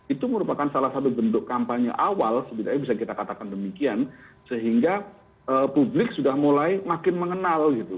itu merupakan salah satu bentuk kampanye awal sebenarnya bisa kita katakan demikian sehingga publik sudah mulai makin mengenal gitu